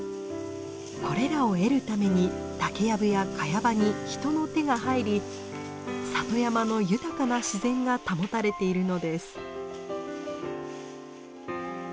これらを得るために竹やぶやカヤ場に人の手が入り里山の豊かな自然が保たれているのです。